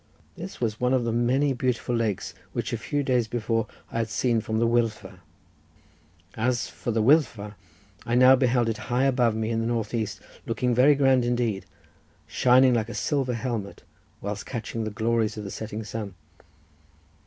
This was one of the many beautiful lakes, which a few days before I had seen from the Wyddfa. As for the Wyddfa, I now beheld it high above me in the north east, looking very grand indeed, shining like a silver helmet whilst catching the glories of the setting sun.